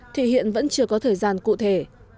thì hiện vẫn chưa có thời gian cụ thể